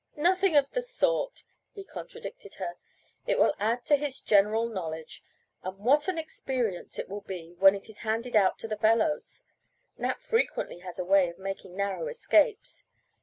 "Nothing of the sort," he contradicted her. "It will add to his general knowledge, and what an experience it will be when it is handed out to the fellows! Nat frequently has a way of making narrow escapes.